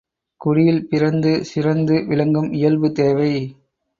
குடியில் பிறந்து சிறந்து விளங்கும் இயல்வு தேவை.